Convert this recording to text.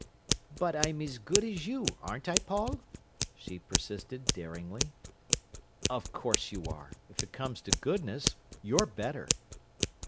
"But I'm as good as you, aren't I, Paul?" she persisted daringly. "Of course you are. If it comes to goodness, you're better."